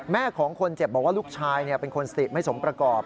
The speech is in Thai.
ของคนเจ็บบอกว่าลูกชายเป็นคนสติไม่สมประกอบ